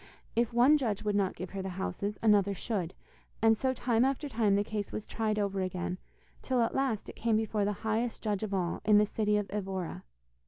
If one judge would not give her the houses another should, and so time after time the case was tried over again, till at last it came before the highest judge of all, in the city of Evora.